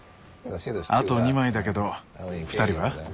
あと２枚だけどふたりは？